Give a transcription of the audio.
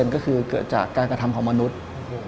ก็คือเกิดจากการกระทำของมนุษย์